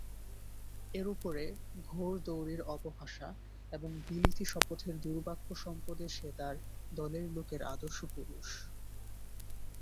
এর উপরে ঘোড়দৌড়ীয় অপভাষা এবং বিলিতি শপথের দুর্বাক্যসম্পদে সে তার দলের লোকের আদর্শ পুরুষ।